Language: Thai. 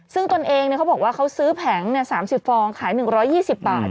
ซึ่งตนเองเขาบอกว่าเขาซื้อแผง๓๐ฟองขาย๑๒๐บาท